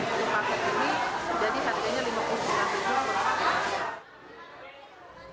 jadi harganya rp lima puluh sembilan